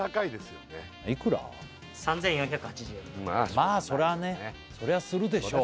まあそりゃねそりゃするでしょう